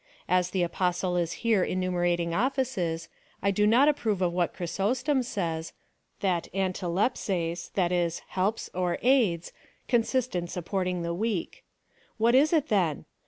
As the Apostle is here enumerating offices, I do not approve of what Chrysostom says, that avriX iqy^ei^, that is, helps or aids, consist in supporting the weak. What is it then